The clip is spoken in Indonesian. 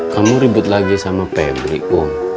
kamu ribut lagi sama pebri kum